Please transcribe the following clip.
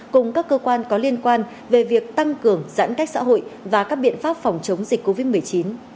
cùng các cơ quan có liên quan về việc tăng cường giãn cách xã hội và các biện pháp phòng chống dịch covid một mươi chín